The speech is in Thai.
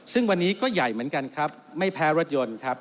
ซึ่งวันนี้ก็ใหญ่เหมือนกันครับไม่แพ้รถยนต์ครับ